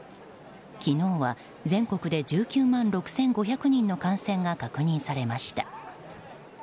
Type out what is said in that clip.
昨日は全国で１９万６５００人の感染が確認されました。